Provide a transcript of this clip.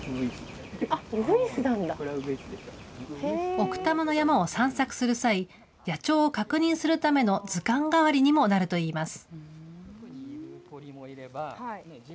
奥多摩の山を散策する際、野鳥を確認するための図鑑代わりにもなるといいます。